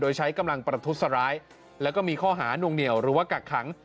โดยใช้กำลังประทุษร้ายแล้วก็มีข้อหานวงเหนียวหรือว่ากักขัง